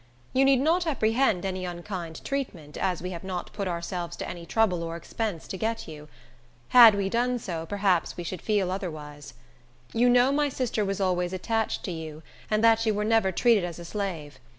You need not apprehend any unkind treatment, as we have not put ourselves to any trouble or expense to get you. Had we done so, perhaps we should feel otherwise. You know my sister was always attached to you, and that you were never treated as a slave.